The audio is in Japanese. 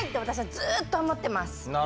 私はずっと思ってます。